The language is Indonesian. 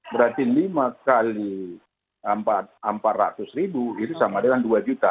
berarti lima kali empat ratus ribu itu sama dengan dua juta